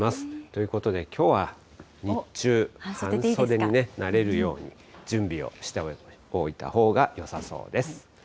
ということで、きょうは日中、半袖になれるように、準備をしておいたほうがよさそうです。